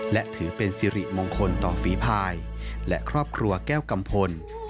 และถือเป็นสิริมงคลต่อฝีภายและครอบครัวแก้วกัมพล